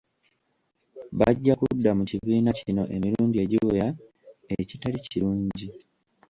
Bajja kudda mu kibiina kino emirundi egiwera, ekitali kirungi.